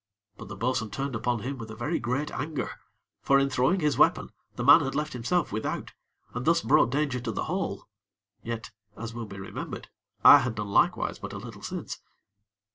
But the bo'sun turned upon him with a very great anger; for in throwing his weapon, the man had left himself without, and thus brought danger to the whole; yet, as will be remembered, I had done likewise but a little since.